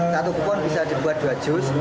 satu kupon bisa dibuat dua jus